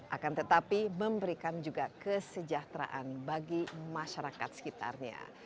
akan tetapi memberikan juga kesejahteraan bagi masyarakat sekitarnya